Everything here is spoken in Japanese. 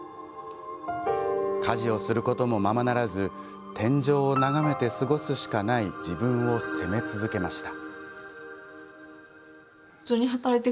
家事をすることもままならず天井を眺めて過ごすしかない自分を責め続けました。